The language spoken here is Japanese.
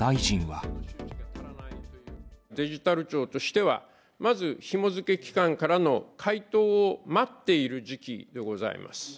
デジタル庁としては、まずひも付け機関からの回答を待っている時期でございます。